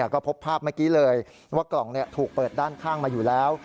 ก็พบภาพเมื่อกี้เลยว่ากล่องถูกเปิดด้านข้างมาอยู่แล้ว